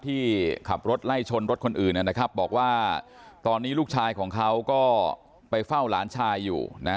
ที่ขับรถไล่ชนรถคนอื่นนะครับบอกว่าตอนนี้ลูกชายของเขาก็ไปเฝ้าหลานชายอยู่นะ